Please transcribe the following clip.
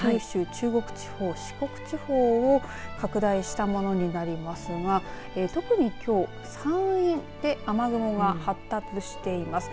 中国地方、四国地方を拡大したものになりますが特にきょう山陰で雨雲が発達しています。